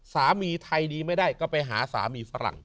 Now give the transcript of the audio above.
สามีไทยดีไม่ได้ก็ไปหาสามีฝรั่ง